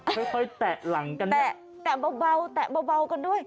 ค่อยค่อยแตะหลังกันแตะแตะเบาเบาแตะเบาเบากันด้วย